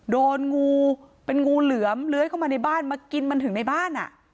โดนงูเป็นงูเหลือมเลื้อยเข้ามาในบ้านมากินมันถึงในบ้าน